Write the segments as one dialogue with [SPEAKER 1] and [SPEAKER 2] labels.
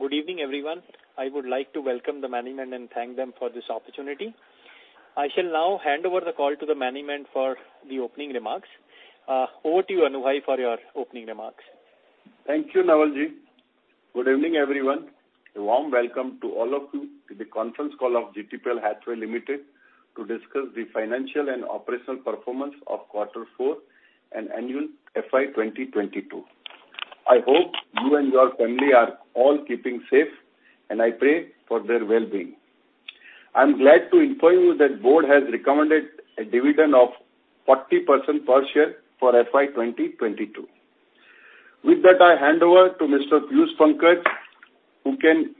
[SPEAKER 1] Good evening, everyone. I would like to welcome the management and thank them for this opportunity. I shall now hand over the call to the management for the opening remarks. Over to you, Anirudhsinh Jadeja, for your opening remarks.
[SPEAKER 2] Thank you, Naval. Good evening, everyone. A warm welcome to all of you on the conference call of GTPL Hathway Limited to discuss the financial and operational performance of quarter four and annual FY 2022. I hope you and your family are all keeping safe, and I pray for their well-being. I'm glad to inform you that the board has recommended a dividend of 40% per share for FY 2022. With that, I hand over to Mr. Piyush Pankaj, who can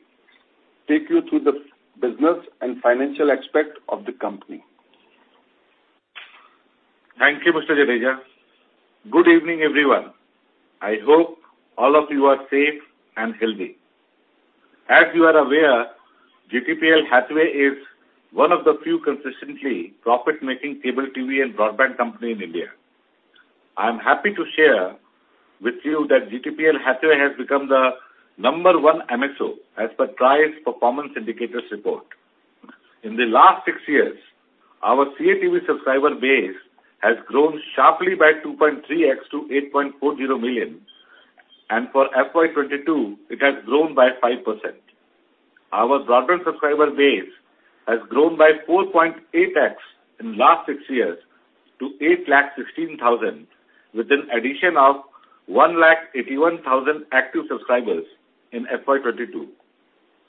[SPEAKER 2] take you through the business and financial aspects of the company.
[SPEAKER 3] Thank you, Mr. Jadeja. Good evening, everyone. I hope all of you are safe and healthy. As you are aware, GTPL Hathway is one of the few consistently profit-making cable TV and broadband companies in India. I am happy to share with you that GTPL Hathway has become the number one MSO as per TRAI's performance indicators report. In the last six years, our CATV subscriber base has grown sharply by 2.3x to 8.40 million, and for FY 2022, it has grown by 5%. Our broadband subscriber base has grown by 4.8x in the last six years to 816,000, with an addition of 181,000 active subscribers in FY 2022.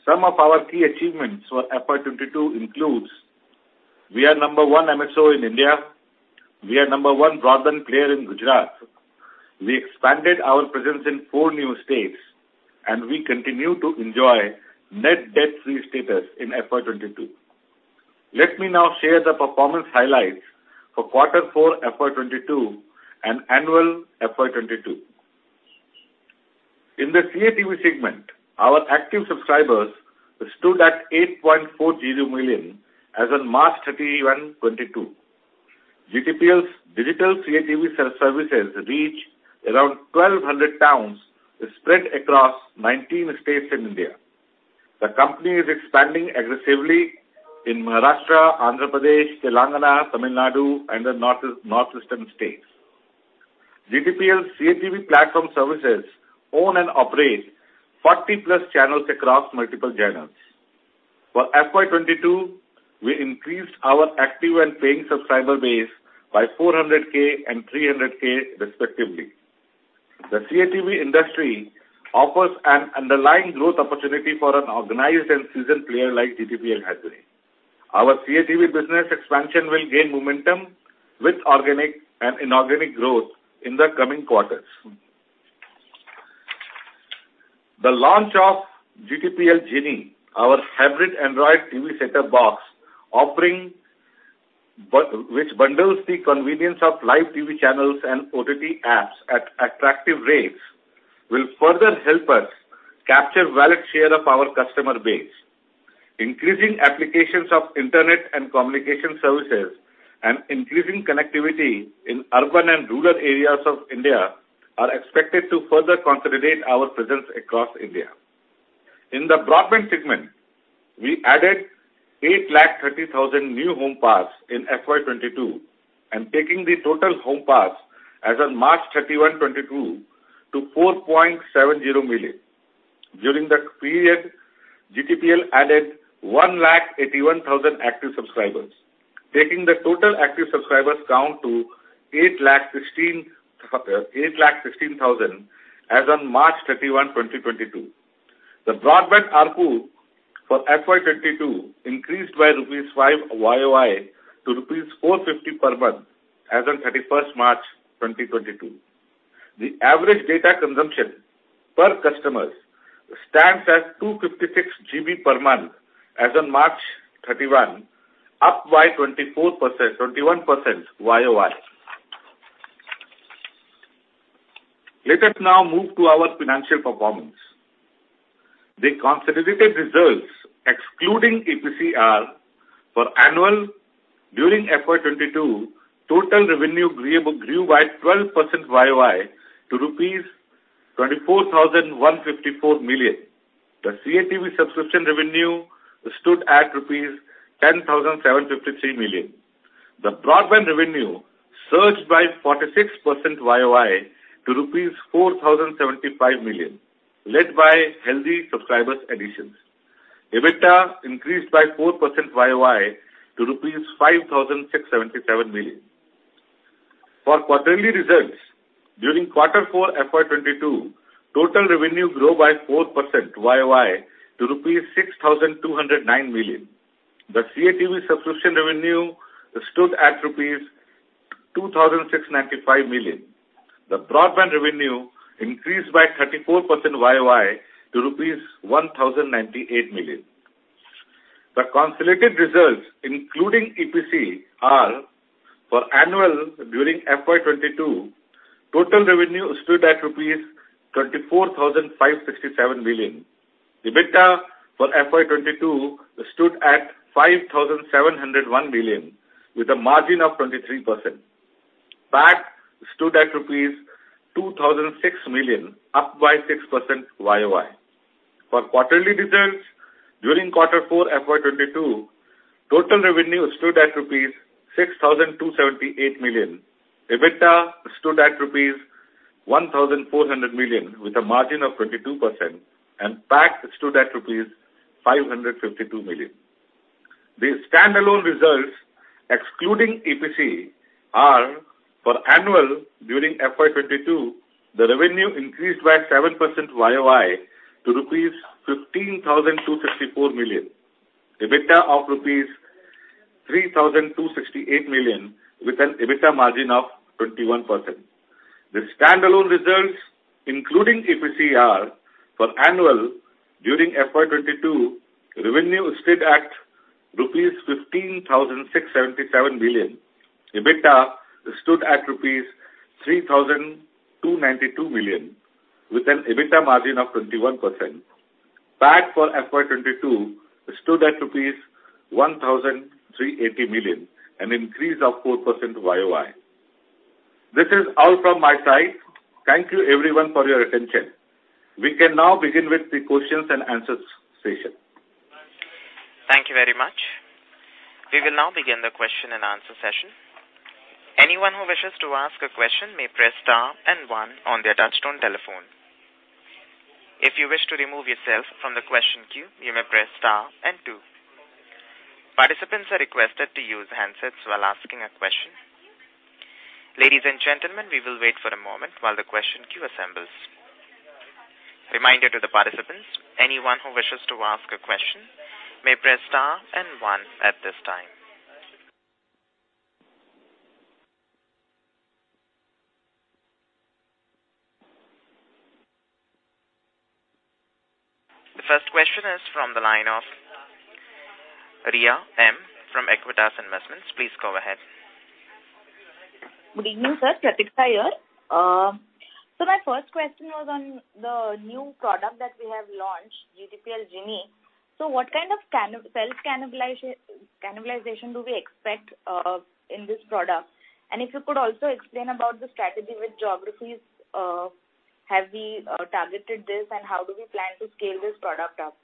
[SPEAKER 3] Some of our key achievements for FY 2022 includes we are number one MSO in India, we are the number one broadband player in Gujarat, we expanded our presence in four new states, and we continue to enjoy a net debt-free status in FY 2022. Let me now share the performance highlights for quarter four, FY 2022, and the annual FY 2022. In the CATV segment, our active subscribers stood at 8.40 million as of March 31, 2022. GTPL's digital CATV services reach around 1,200 towns spread across 19 states in India. The company is expanding aggressively in Maharashtra, Andhra Pradesh, Telangana, Tamil Nadu, and the Northwestern states. GTPL's CATV platform services own and operates 40+ channels across multiple genres. For FY 2022, we increased our active and paying subscriber base by 400K and 300K respectively. The CATV industry offers an underlying growth opportunity for an organized and seasoned player like GTPL Hathway. Our CATV business expansion will gain momentum with organic and inorganic growth in the coming quarters. The launch of GTPL Genie, our hybrid Android TV set-top box offering which bundles the convenience of live TV channels and OTT apps at attractive rates, will further help us capture larger share of our customer base. Increasing applications of internet and communication services and increasing connectivity in urban and rural areas of India are expected to further consolidate our presence across India. In the broadband segment, we added 8.3 lakh new home pass in FY 2022, and taking the total home pass as on March 31, 2022, to 4.70 million. During the period, GTPL added 1.81 lakh active subscribers, taking the total active subscribers count to 8.16 lakh as on March 31, 2022. The broadband ARPU for FY 2022 increased by rupees 5 YOY to rupees 450 per month as on March 31, 2022. The average data consumption per customers stands at 256 GB per month as on March 31, up by 21% YOY. Let us now move to our financial performance. The consolidated results excluding EPC for annual during FY 2022, total revenue grew by 12% YOY to rupees 24,154 million. The CATV subscription revenue stood at rupees 10,753 million. The broadband revenue surged by 46% YOY to rupees 4,075 million, led by healthy subscriber additions. EBITDA increased by 4% YOY to 5,677 million rupees. For quarterly results, during quarter four, FY 2022, total revenue grew by 4% YOY to INR 6,209 million. The CATV subscription revenue stood at INR 2,695 million. The broadband revenue increased by 34% YOY to INR 1,098 million. The consolidated results including EPC are for annual during FY 2022, total revenue stood at rupees 24,567 million. EBITDA for FY 2022 stood at 5,701 million with a margin of 23%. PAT stood at rupees 2,006 million, up by 6% YOY. For quarterly results during quarter four FY 2022, total revenue stood at rupees 6,278 million. EBITDA stood at rupees 1,400 million with a margin of 22%, and PAT stood at rupees 552 million. The standalone results excluding EPC are for annual during FY 2022, the revenue increased by 7% YOY to rupees 15,254 million. EBITDA of rupees 3,268 million with an EBITDA margin of 21%. The standalone results, including EPC are for annual during FY 2022, revenue stood at 15,677 million rupees. EBITDA stood at 3,292 million rupees with an EBITDA margin of 21%. PAT for FY 2022 stood at rupees 1,380 million, an increase of 4% YOY. This is all from my side. Thank you everyone for your attention. We can now begin with the questions and answers session.
[SPEAKER 4] Thank you very much. We will now begin the question and answer session. Anyone who wishes to ask a question may press star and one on their touchtone telephone. If you wish to remove yourself from the question queue, you may press star and two. Participants are requested to use handsets while asking a question. Ladies and gentlemen, we will wait for a moment while the question queue assembles. Reminder to the participants, anyone who wishes to ask a question may press star and one at this time. The first question is from the line of Ria M. from Aequitas Investments. Please go ahead.
[SPEAKER 5] Good evening, sir. Pratiksha here. My first question was on the new product that we have launched, GTPL Genie. What kind of cannibalization do we expect in this product? If you could also explain about the strategy with geographies. Have we targeted this, and how do we plan to scale this product up?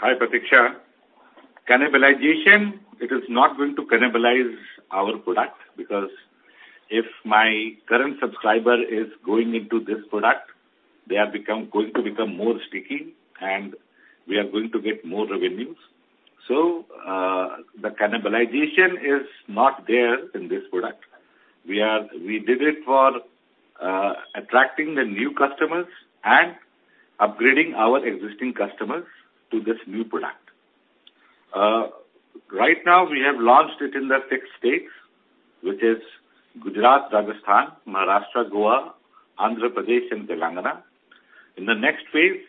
[SPEAKER 3] Hi, Pratiksha. Cannibalization, it is not going to cannibalize our product because if my current subscriber is going into this product, they are going to become more sticky, and we are going to get more revenues. The cannibalization is not there in this product. We did it for attracting the new customers and upgrading our existing customers to this new product. Right now we have launched it in the six states, which is Gujarat, Rajasthan, Maharashtra, Goa, Andhra Pradesh and Telangana. In the next phase,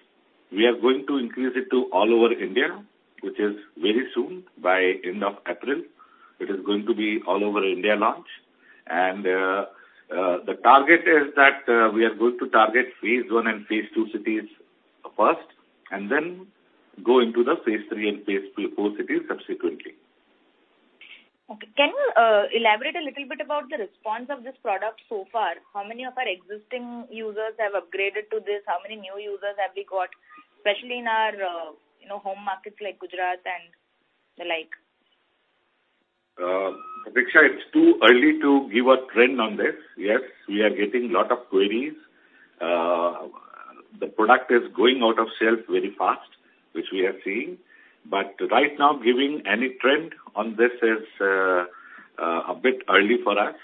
[SPEAKER 3] we are going to increase it to all over India, which is very soon by end of April. It is going to be all over India launch. The target is that we are going to target phase one and phase two cities first and then go into the phase III and phase IV cities subsequently.
[SPEAKER 5] Okay. Can you elaborate a little bit about the response of this product so far? How many of our existing users have upgraded to this? How many new users have we got, especially in our, you know, home markets like Gujarat and the like?
[SPEAKER 3] Pratiksha, it's too early to give a trend on this. Yes, we are getting a lot of queries. The product is going off the shelf very fast, which we are seeing. Right now, giving any trend on this is a bit early for us.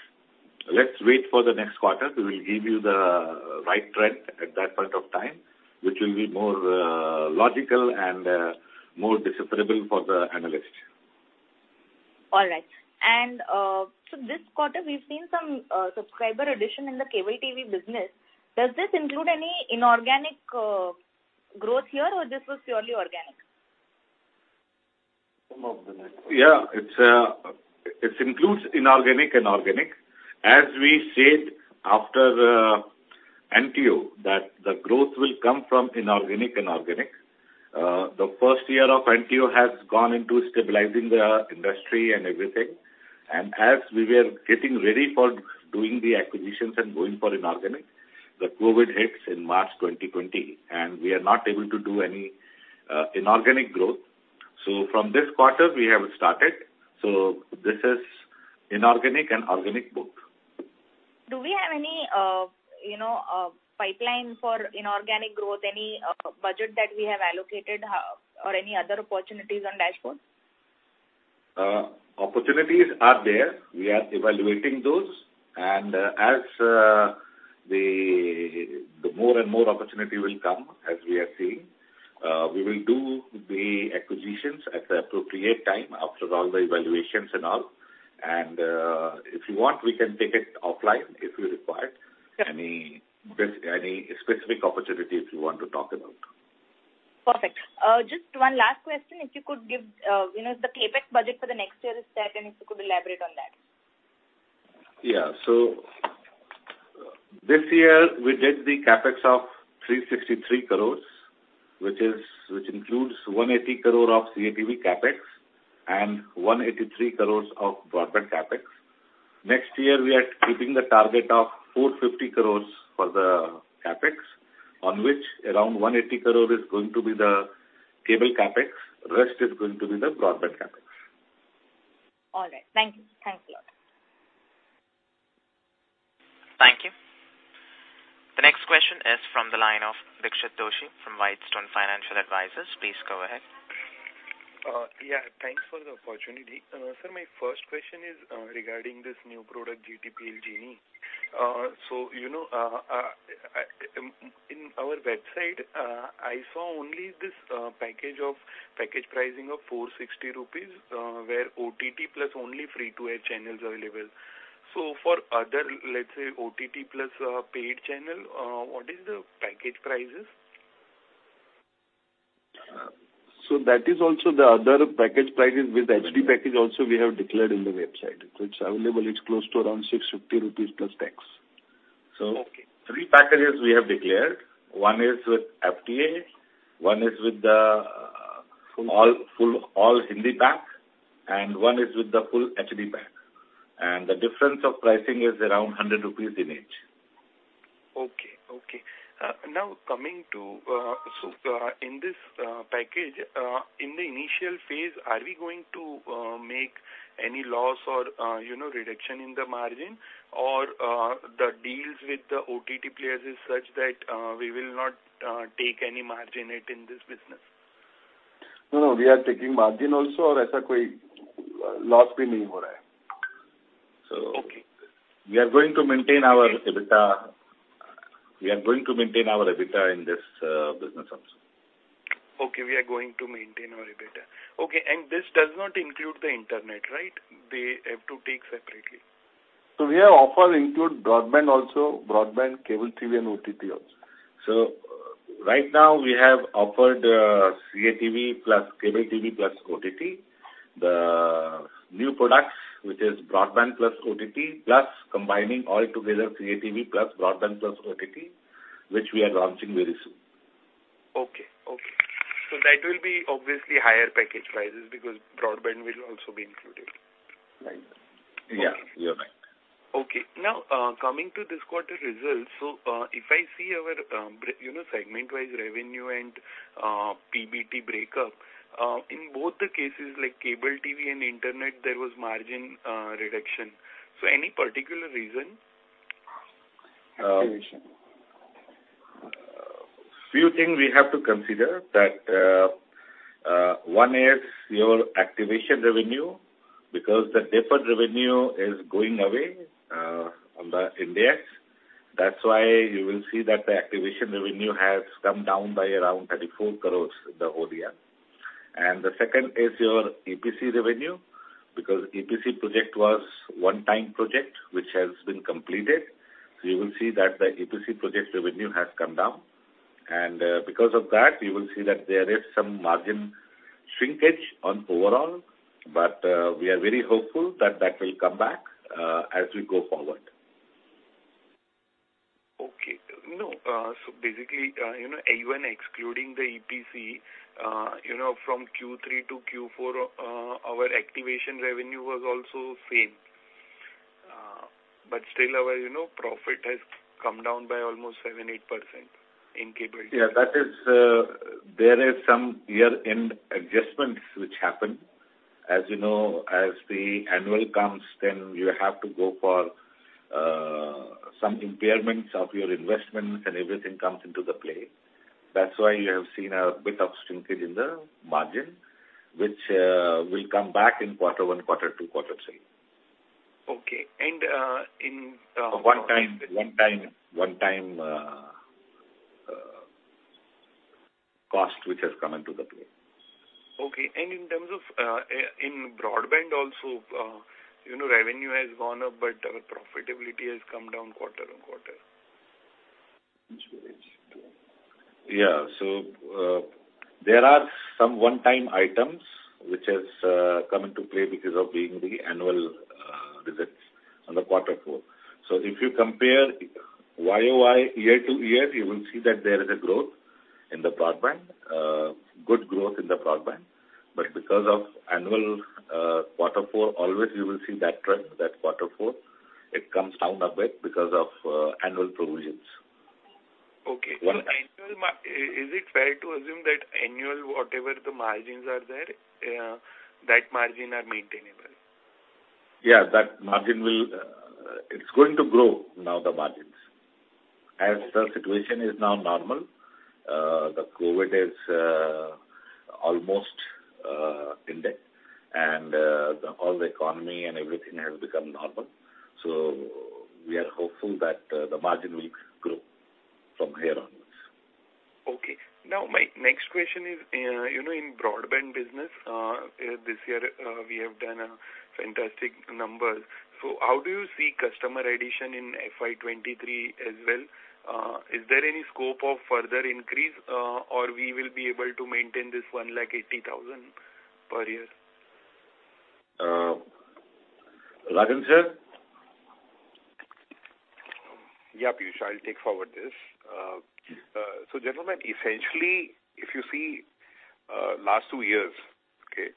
[SPEAKER 3] Let's wait for the next quarter. We will give you the right trend at that point of time, which will be more logical and more decipherable for the analyst.
[SPEAKER 5] All right. This quarter we've seen some subscriber addition in the cable TV business. Does this include any inorganic growth here or this was purely organic?
[SPEAKER 3] Yeah. It's, it includes inorganic and organic. As we said after NTO that the growth will come from inorganic and organic. The first year of NTO has gone into stabilizing the industry and everything. as we were getting ready for doing the acquisitions and going for inorganic, the COVID hits in March 2020, and we are not able to do any, inorganic growth. from this quarter we have started. this is inorganic and organic both.
[SPEAKER 5] Do we have any, you know, pipeline for inorganic growth, any budget that we have allocated, or any other opportunities on dashboard?
[SPEAKER 3] Opportunities are there. We are evaluating those. As the more and more opportunity will come as we are seeing, we will do the acquisitions at the appropriate time after all the evaluations and all. If you want we can take it offline if you require any specific opportunities you want to talk about.
[SPEAKER 5] Perfect. Just one last question. If you could give, you know, the CapEx budget for the next year is set, and if you could elaborate on that.
[SPEAKER 3] This year, we did the CapEx of 363 crore, which includes 180 crore of CATV CapEx and 183 crore of broadband CapEx. Next year, we are keeping the target of 450 crore for the CapEx, on which around 180 crore is going to be the cable CapEx, rest is going to be the broadband CapEx.
[SPEAKER 5] All right. Thank you. Thanks a lot.
[SPEAKER 4] Thank you. The next question is from the line of Dixit Doshi from Whitestone Financial Advisors. Please go ahead.
[SPEAKER 6] Yeah, thanks for the opportunity. Sir, my first question is regarding this new product, GTPL Genie. You know, in our website, I saw only this package pricing of 460 rupees, where OTT Plus only free-to-air channels available. For other, let's say, OTT Plus paid channel, what is the package prices?
[SPEAKER 3] That is also the other package prices with HD package also we have declared on the website. It's available, it's close to around 650 rupees plus tax.
[SPEAKER 6] Okay.
[SPEAKER 3] Three packages we have declared. One is with FTA, one is with the all full, all Hindi pack, and one is with the full HD pack. The difference of pricing is around 100 rupees in it.
[SPEAKER 6] Okay. Now coming to, in this package, in the initial phase, are we going to make any loss or, you know, reduction in the margin or, the deals with the OTT players is such that, we will not take any margin hit in this business?
[SPEAKER 3] No, we are taking margin also resembling loss.
[SPEAKER 6] Okay.
[SPEAKER 3] We are going to maintain our EBITDA in this business also.
[SPEAKER 6] Okay, we are going to maintain our EBITDA. Okay, this does not include the internet, right? They have to take separately.
[SPEAKER 3] We have offers include broadband also, broadband, cable TV and OTT also. Right now we have offered CATV plus cable TV plus OTT. The new products, which is broadband plus OTT, plus combining all together CATV plus broadband plus OTT, which we are launching very soon.
[SPEAKER 6] Okay. That will be obviously higher package prices because broadband will also be included.
[SPEAKER 3] Right. Yeah.You're right.
[SPEAKER 6] Okay. Now, coming to this quarter results, if I see our, you know, segment-wise revenue and PBT breakup, in both the cases like cable TV and internet, there was margin reduction. Any particular reason?
[SPEAKER 3] Few things we have to consider that one is your activation revenue, because the deferred revenue is going away on Ind AS. That's why you will see that the activation revenue has come down by around 34 crores YoY. The second is your EPC revenue, because EPC project was one-time project, which has been completed. You will see that the EPC project revenue has come down. Because of that, you will see that there is some margin shrinkage overall. We are very hopeful that that will come back as we go forward.
[SPEAKER 6] Okay. No, basically, you know, even excluding the EPC, you know, from Q3 to Q4, our activation revenue was also same. Still our, you know, profit has come down by almost 7%-8% in cable TV.
[SPEAKER 3] Yeah, that is, there is some year-end adjustments which happened. As you know, as the annual comes, then you have to go for, some impairments of your investment and everything comes into the play. That's why you have seen a bit of shrinkage in the margin, which, will come back in quarter one, quarter two, quarter three.
[SPEAKER 6] Okay.
[SPEAKER 3] One-time cost which has come into the play.
[SPEAKER 6] Okay. In terms of in broadband also, you know, revenue has gone up, but our profitability has come down quarter-on-quarter.
[SPEAKER 3] There are some one-time items which has come into play because of being the annual results on the quarter four. If you compare YOY year to year, you will see that there is a growth in the broadband, good growth in the broadband. Because of annual quarter four, always you will see that trend, that quarter four, it comes down a bit because of annual provisions.
[SPEAKER 6] Okay.
[SPEAKER 3] One time-
[SPEAKER 6] Is it fair to assume that annual, whatever the margins are there, that margin are maintainable?
[SPEAKER 3] Yeah, that margin will, it's going to grow now the margins. As the situation is now normal, the COVID is almost ended and the whole economy and everything has become normal. We are hopeful that the margin will grow from here onwards.
[SPEAKER 6] Okay. Now my next question is, you know, in broadband business, this year, we have done fantastic numbers. How do you see customer addition in FY 2023 as well? Is there any scope of further increase, or we will be able to maintain this 180,000 per year?
[SPEAKER 3] Rajan, sir.
[SPEAKER 7] Yeah, Piyush, I'll take forward this. Gentlemen, essentially, if you see, last two years, okay,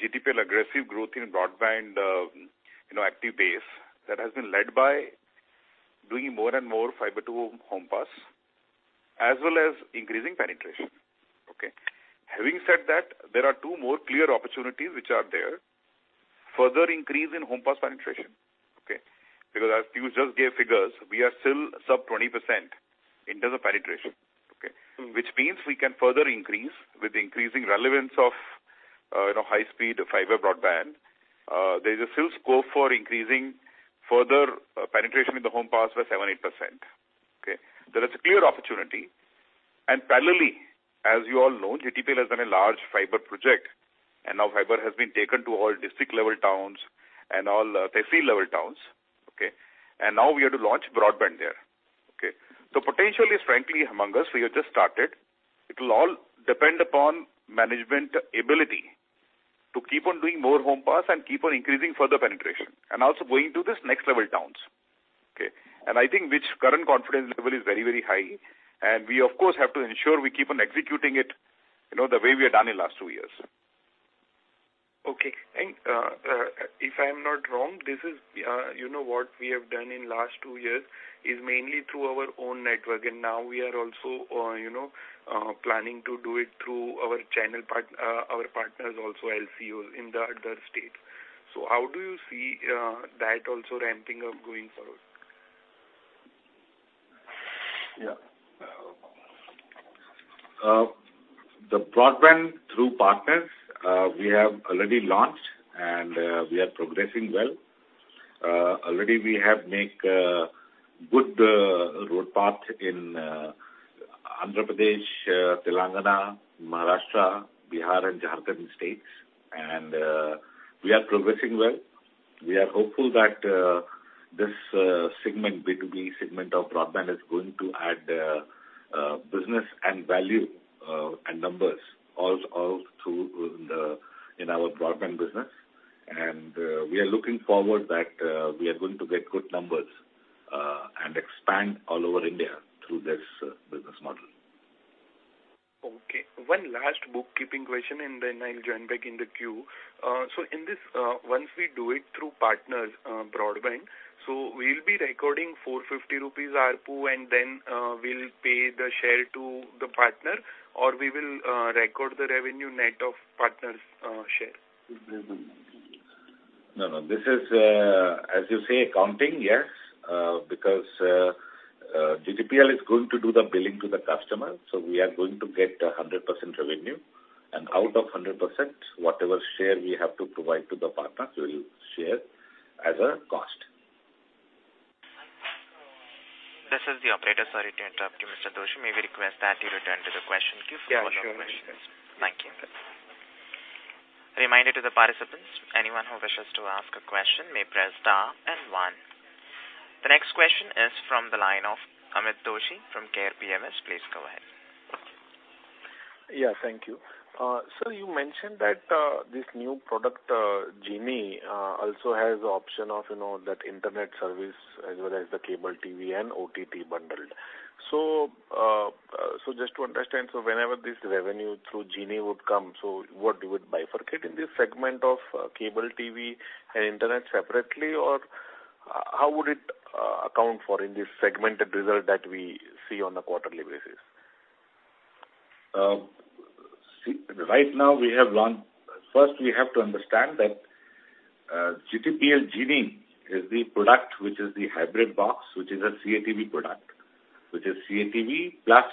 [SPEAKER 7] GTPL aggressive growth in broadband, you know, active base that has been led by doing more and more fiber to home pass, as well as increasing penetration. Okay. Having said that, there are two more clear opportunities which are there. Further increase in home pass penetration, okay, because as Piyush just gave figures, we are still sub 20% in terms of penetration, okay, which means we can further increase with increasing relevance of, you know, high speed fiber broadband. There is still scope for increasing further, penetration in the home pass by 7%-8%. Okay. There is a clear opportunity. Parallelly, as you all know, GTPL has done a large fiber project, and now fiber has been taken to all district level towns and all, tehsil level towns, okay? Now we have to launch broadband there. Okay. Potentially, frankly, humongous, we have just started. It will all depend upon management ability to keep on doing more home pass and keep on increasing further penetration and also going to this next level towns. Okay. I think which current confidence level is very, very high. We of course, have to ensure we keep on executing it, you know, the way we have done in last two years.
[SPEAKER 6] Okay. If I'm not wrong, this is, you know, what we have done in last two years is mainly through our own network. Now we are also, you know, planning to do it through our channel partners also, LCOs in the other states. How do you see that also ramping up going forward?
[SPEAKER 3] Yeah. The broadband through partners we have already launched and we are progressing well. Already we have made good roadmap in Andhra Pradesh, Telangana, Maharashtra, Bihar and Jharkhand states. We are progressing well. We are hopeful that this segment, B2B segment of broadband, is going to add business and value and numbers all through the nation in our broadband business. We are looking forward that we are going to get good numbers and expand all over India through this business model.
[SPEAKER 6] Okay. One last bookkeeping question, and then I'll join back in the queue. In this, once we do it through partners, broadband, we'll be recording INR 450 ARPU, and then, we'll pay the share to the partner, or we will record the revenue net of partner's share?
[SPEAKER 3] No. This is, as you say, accounting, yes. Because GTPL is going to do the billing to the customer, so we are going to get 100% revenue. Out of 100%, whatever share we have to provide to the partners, we will share as a cost.
[SPEAKER 4] This is the operator. Sorry to interrupt you, Mr. Doshi. May we request that you return to the question queue for follow-up questions.
[SPEAKER 6] Yeah, sure.
[SPEAKER 4] Thank you. Reminder to the participants, anyone who wishes to ask a question may press star and one. The next question is from the line of Amit Doshi from Care PMS. Please go ahead.
[SPEAKER 8] Yeah. Thank you. Sir, you mentioned that this new product, Genie, also has the option of, you know, that internet service as well as the cable TV and OTT bundled. So just to understand, whenever this revenue through Genie would come, what you would bifurcate in this segment of cable TV and internet separately, or how would it account for in this segmented result that we see on a quarterly basis?
[SPEAKER 3] See, right now we have launched. First we have to understand that, GTPL Genie is the product which is the hybrid box, which is a CATV product, which is CATV plus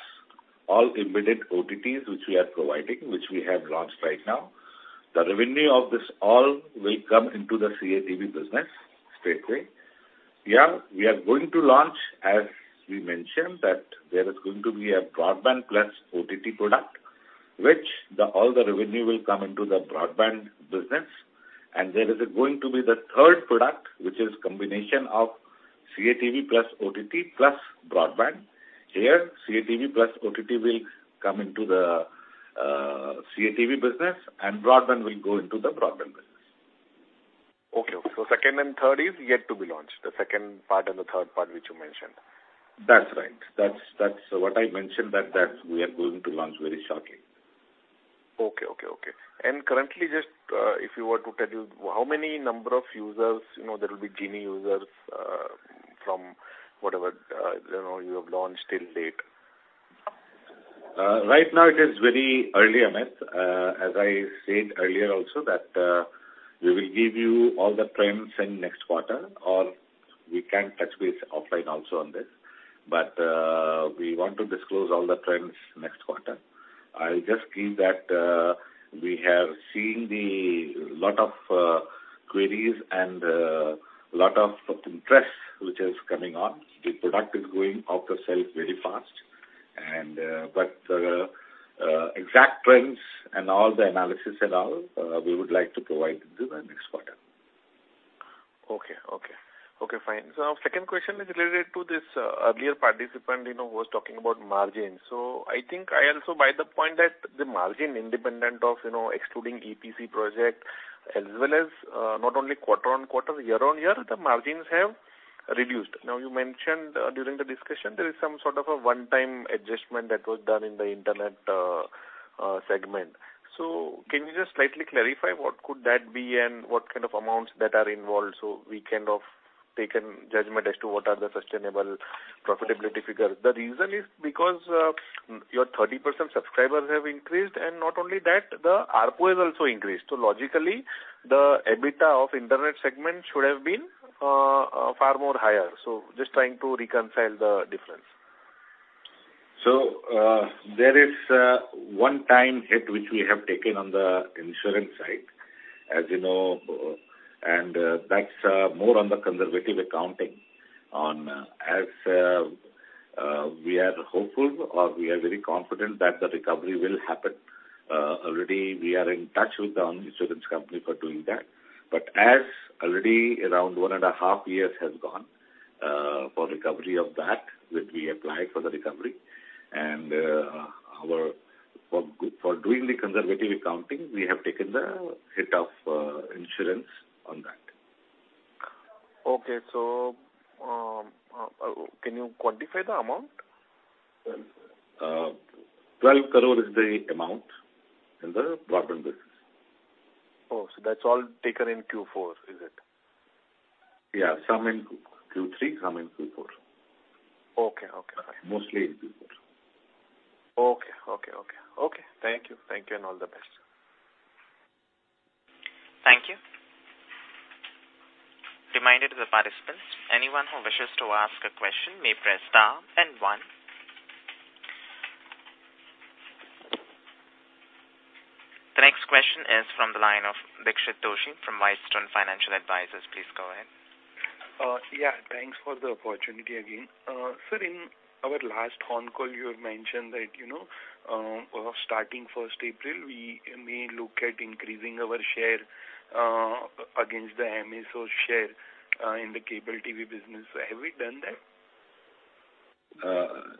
[SPEAKER 3] all embedded OTTs, which we are providing, which we have launched right now. The revenue of this all will come into the CATV business straightway. Here, we are going to launch, as we mentioned, that there is going to be a broadband plus OTT product, which the, all the revenue will come into the broadband business. There is going to be the third product, which is combination of CATV plus OTT Plus broadband. Here, CATV plus OTT will come into the CATV business and broadband will go into the broadband business.
[SPEAKER 8] Okay. Second and third is yet to be launched, the second part and the third part which you mentioned.
[SPEAKER 3] That's right. That's what I mentioned that we are going to launch very shortly.
[SPEAKER 8] Okay. Currently, just, if you were to tell us how many number of users, you know, there will be Genie users, from whatever, you know, you have launched till date.
[SPEAKER 3] Right now it is very early, Amit. As I said earlier also that we will give you all the trends in next quarter, or we can touch base offline also on this. We want to disclose all the trends next quarter. I'll just give that we have seen a lot of queries and a lot of interest which is coming on. The product is going off the shelf very fast, but exact trends and all the analysis and all we would like to provide in the next quarter.
[SPEAKER 8] Okay, fine. Second question is related to this, earlier participant, you know, who was talking about margins. I think I also buy the point that the margin independent of, you know, excluding EPC project, as well as, not only quarter-on-quarter, year-on-year, the margins have reduced. Now, you mentioned, during the discussion there is some sort of a one-time adjustment that was done in the internet segment. Can you just slightly clarify what could that be and what kind of amounts that are involved so we kind of take an judgment as to what are the sustainable profitability figures? The reason is because, your 30% subscribers have increased, and not only that, the ARPU has also increased. Logically, the EBITDA of internet segment should have been far more higher. Just trying to reconcile the difference.
[SPEAKER 3] There is a one-time hit which we have taken on the insurance side, as you know. That's more on the conservative accounting. We are hopeful or we are very confident that the recovery will happen. Already we are in touch with the insurance company for doing that. But as already around 1.5 years has gone for recovery of that, which we applied for the recovery. For doing the conservative accounting, we have taken the hit of insurance on that.
[SPEAKER 8] Okay. Can you quantify the amount?
[SPEAKER 3] 12 crore is the amount in the broadband business.
[SPEAKER 8] Oh, that's all taken in Q4, is it?
[SPEAKER 3] Yeah. Some in Q3, some in Q4.
[SPEAKER 8] Okay, okay.
[SPEAKER 3] Mostly in Q4.
[SPEAKER 8] Okay. Thank you, and all the best.
[SPEAKER 4] Thank you. Reminder to the participants, anyone who wishes to ask a question may press star and one. The next question is from the line of Dixit Doshi from Whitestone Financial Advisors. Please go ahead.
[SPEAKER 6] Yeah, thanks for the opportunity again. Sir, in our last phone call, you had mentioned that, you know, starting first April, we look at increasing our share against the MSO share in the cable TV business. Have we done that?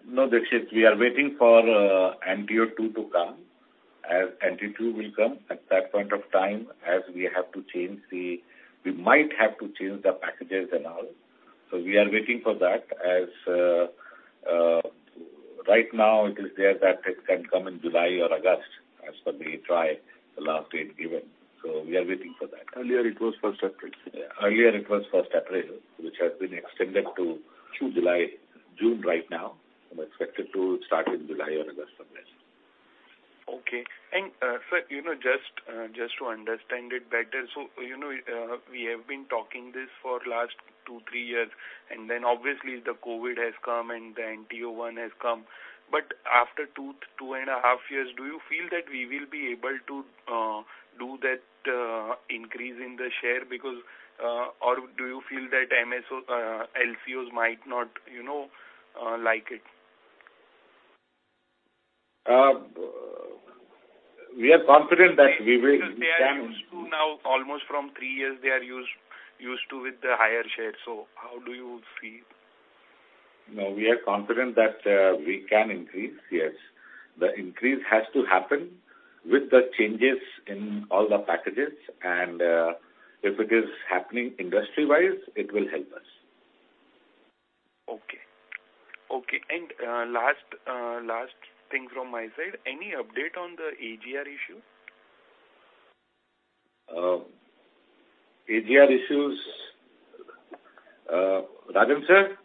[SPEAKER 3] No, Dikshit. We are waiting for NTO 2.0 to come. NTO 2.0 will come, at that point of time. We might have to change the packages and all. We are waiting for that. Right now it is there that it can come in July or August as per the TRAI, the last date given. We are waiting for that.
[SPEAKER 6] Earlier it was first April.
[SPEAKER 3] Earlier it was first April, which has been extended to July. It's June right now, and expected to start in July or August from there.
[SPEAKER 6] Okay. Sir, you know, just to understand it better. You know, we have been talking this for last two, three years, and then obviously the COVID has come and the NTO one has come. After two and a half years, do you feel that we will be able to do that increase in the share because? Or do you feel that MSO LCOs might not, you know, like it?
[SPEAKER 3] We are confident that we will.
[SPEAKER 6] Because they are used to now, almost from three years they are used to with the higher share. How do you feel?
[SPEAKER 3] No, we are confident that we can increase, yes. The increase has to happen with the changes in all the packages. If it is happening industry-wise, it will help us.
[SPEAKER 6] Okay. Last thing from my side. Any update on the AGR issue?
[SPEAKER 3] AGR issues. Rajan sir?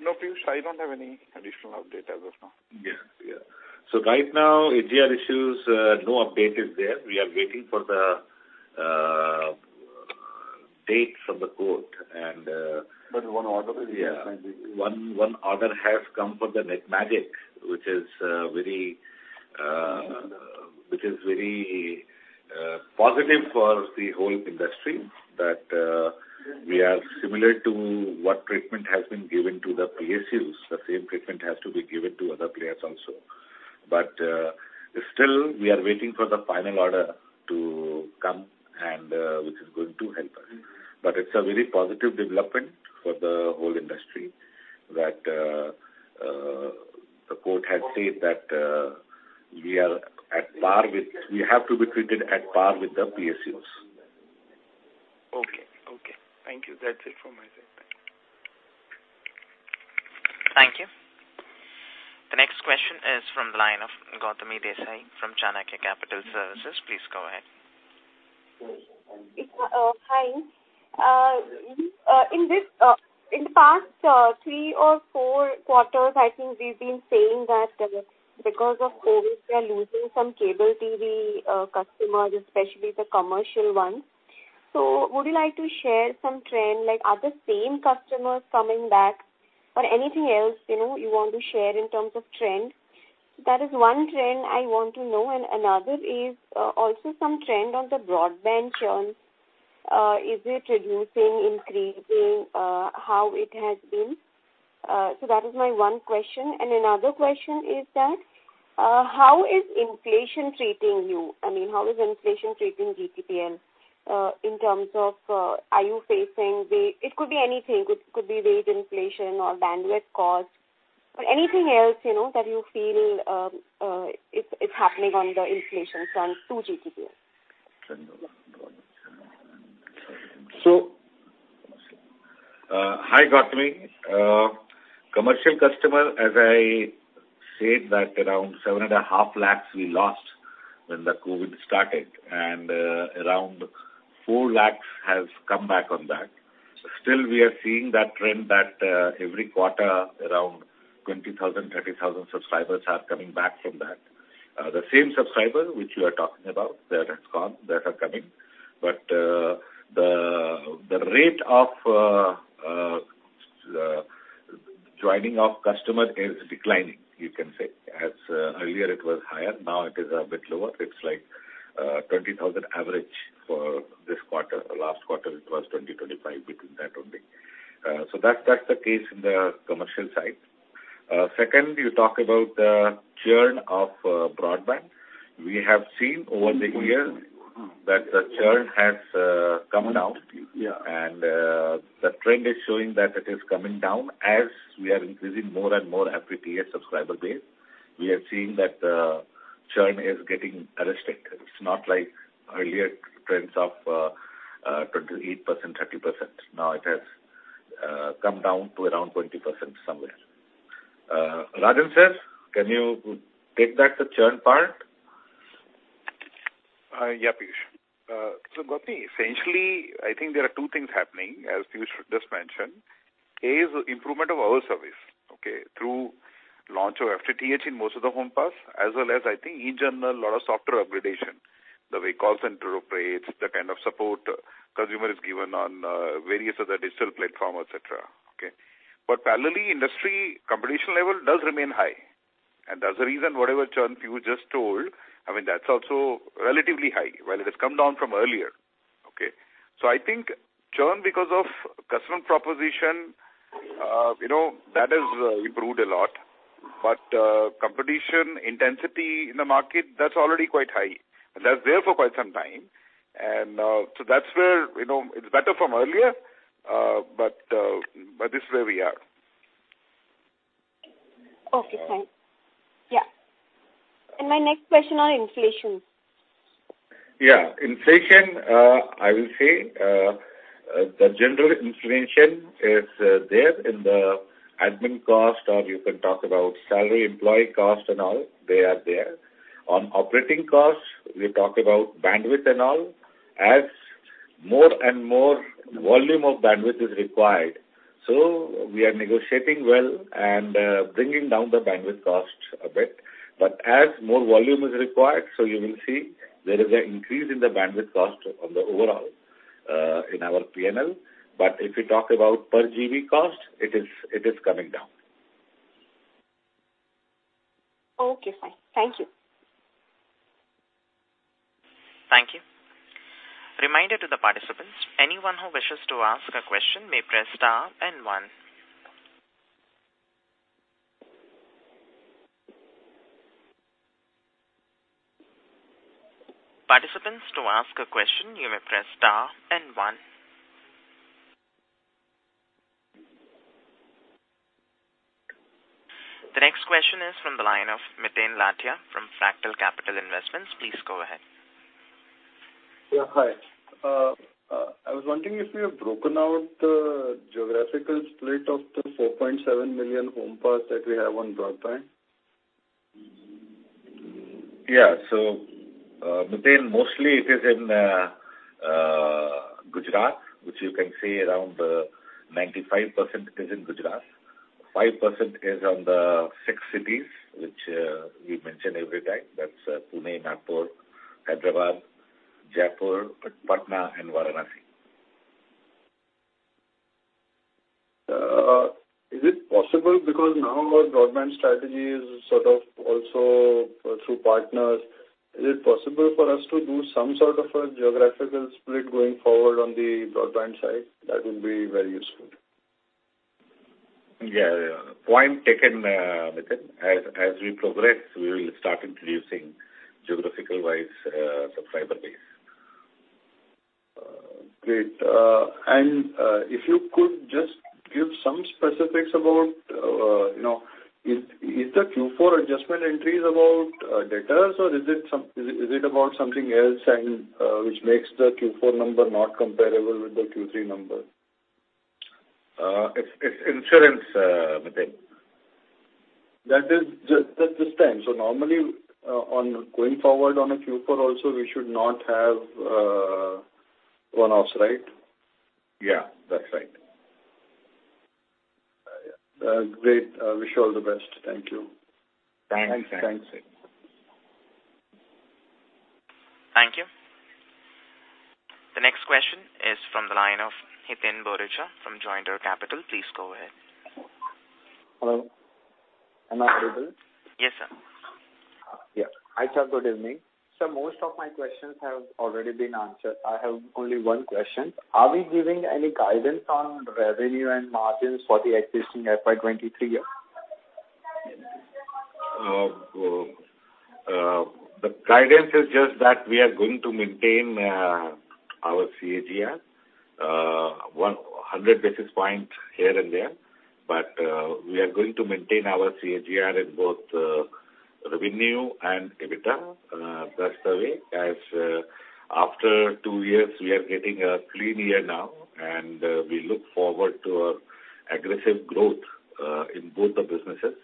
[SPEAKER 7] No, Piyush, I don't have any additional update as of now.
[SPEAKER 3] Yeah. Right now, AGR issues, no update is there. We are waiting for the date from the court and
[SPEAKER 7] One order is.
[SPEAKER 3] One order has come for the NXTigital, which is very positive for the whole industry, that we are similar to what treatment has been given to the PSUs. The same treatment has to be given to other players also. Still we are waiting for the final order to come and which is going to help us. It's a very positive development for the whole industry that the court has said that we are at par with the PSUs. We have to be treated at par with the PSUs.
[SPEAKER 6] Okay. Thank you. That's it from my side. Bye.
[SPEAKER 4] Thank you. The next question is from the line of Gautami Desai from Chanakya Capital Services. Please go ahead.
[SPEAKER 9] Yes, thank you. Hi. In the past three or four quarters, I think we've been saying that because of COVID, we are losing some cable TV customers, especially the commercial ones. Would you like to share some trend, like are the same customers coming back or anything else, you know, you want to share in terms of trends? That is one trend I want to know. Another is also some trend on the broadband churn. Is it reducing, increasing, how it has been? That is my one question. Another question is that how is inflation treating you? I mean, how is inflation treating GTPL in terms of, are you facing the. It could be anything. It could be wage inflation or bandwidth cost or anything else, you know, that you feel is happening on the inflation front to GTPL.
[SPEAKER 3] Hi, Gautami. Commercial customer, as I said that around 7.5 lakhs we lost when the COVID started, and around 4 lakhs has come back on that. Still, we are seeing that trend that every quarter around 20,000, 30,000 subscribers are coming back from that. The same subscriber which you are talking about that has gone, that are coming. The rate of joining of customer is declining, you can say. As earlier it was higher, now it is a bit lower. It's like 20,000 average for this quarter. Last quarter it was 20-25, between that only. That's the case in the commercial side. Second, you talk about the churn of broadband. We have seen over the years that the churn has come down.
[SPEAKER 9] Yeah.
[SPEAKER 3] The trend is showing that it is coming down as we are increasing more and more FTTH subscriber base. We are seeing that, churn is getting arrested. It's not like earlier trends of 28%, 30%. Now it has come down to around 20% somewhere. Rajan sir, can you take that, the churn part?
[SPEAKER 7] Yeah, Piyush. Gautami, essentially, I think there are two things happening, as Piyush just mentioned. A is improvement of our service, okay, through launch of FTTH in most of the home pass, as well as I think in general a lot of software upgradation. The way call center operates, the kind of support consumer is given on various other digital platform, et cetera. Okay. Parallelly, industry competition level does remain high. That's the reason whatever churn Piyush just told, I mean, that's also relatively high. Well, it has come down from earlier. Okay. I think churn because of customer proposition, you know, that has improved a lot. Competition intensity in the market, that's already quite high. That's there for quite some time. That's where, you know, it's better from earlier. This is where we are.
[SPEAKER 9] Okay, fine. Yeah. My next question on inflation.
[SPEAKER 3] Yeah. Inflation, I will say, the general inflation is there in the admin cost, or you can talk about salary, employee cost and all. They are there. On operating costs, we talk about bandwidth and all. As more and more volume of bandwidth is required, we are negotiating well and bringing down the bandwidth cost a bit. As more volume is required, you will see there is an increase in the bandwidth cost on the overall in our P&L. If you talk about per GB cost, it is coming down.
[SPEAKER 9] Okay, fine. Thank you.
[SPEAKER 4] Thank you. Reminder to the participants, anyone who wishes to ask a question may press star and one. Participants, to ask a question, you may press star and one. The next question is from the line of Miten Lathia from Fractal Capital Investments. Please go ahead.
[SPEAKER 10] Yeah, hi. I was wondering if you have broken out the geographical split of the 4.7 million home passes that we have on broadband?
[SPEAKER 3] Yeah. Miten, mostly it is in Gujarat, which you can say around 95% is in Gujarat. 5% is in the six cities which we mention every time. That's Pune, Nagpur, Hyderabad, Jaipur, Patna, and Varanasi.
[SPEAKER 10] Is it possible because now our broadband strategy is sort of also through partners, is it possible for us to do some sort of a geographical split going forward on the broadband side? That would be very useful.
[SPEAKER 3] Yeah. Point taken, Miten. As we progress, we will start introducing geographical wise, subscriber base.
[SPEAKER 10] Great. If you could just give some specifics about, you know, is the Q4 adjustment entries about data? Is it about something else and which makes the Q4 number not comparable with the Q3 number?
[SPEAKER 3] It's insurance, Miten.
[SPEAKER 10] That is just this time. Normally, going forward on a Q4 also we should not have one-offs, right?
[SPEAKER 3] Yeah, that's right.
[SPEAKER 10] Yeah. Great. Wish you all the best. Thank you.
[SPEAKER 3] Thanks.
[SPEAKER 10] Thanks.
[SPEAKER 4] Thank you. The next question is from the line of Hiten Boricha from Joindre Capital. Please go ahead.
[SPEAKER 11] Hello. Am I audible?
[SPEAKER 4] Yes, sir.
[SPEAKER 11] Yeah. Hi, sir. Good evening. Most of my questions have already been answered. I have only one question. Are we giving any guidance on revenue and margins for the existing FY 2023 year?
[SPEAKER 3] The guidance is just that we are going to maintain our CAGR 100 basis point here and there, but we are going to maintain our CAGR in both revenue and EBITDA, that's the way. As after two years, we are getting a clean year now, and we look forward to our aggressive growth in both the businesses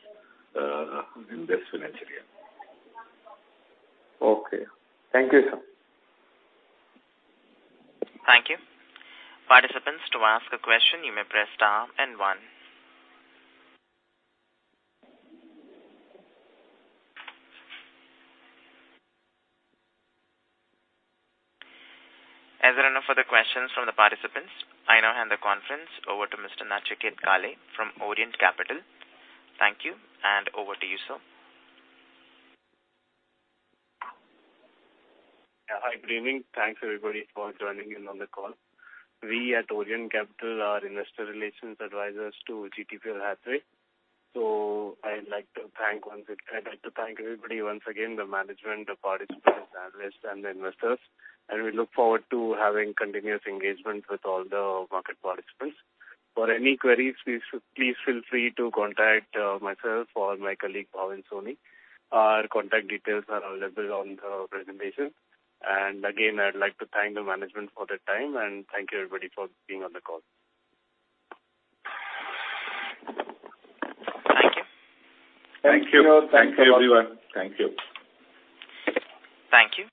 [SPEAKER 3] in this financial year.
[SPEAKER 11] Okay. Thank you, sir.
[SPEAKER 4] Thank you. Participants, to ask a question, you may press star and one. As there are no further questions from the participants, I now hand the conference over to Mr. Nachiket Kale from Orient Capital. Thank you, and over to you, sir.
[SPEAKER 12] Yeah. Hi, good evening. Thanks everybody for joining in on the call. We at Orient Capital are investor relations advisors to GTPL Hathway. I'd like to thank everybody once again, the management, the participants, analysts, and the investors, and we look forward to having continuous engagement with all the market participants. For any queries, please feel free to contact myself or my colleague, Pawan Soni. Our contact details are available on the presentation. Again, I'd like to thank the management for their time, and thank you everybody for being on the call.
[SPEAKER 4] Thank you.
[SPEAKER 3] Thank you. Thank you, everyone. Thank you.
[SPEAKER 4] Thank you.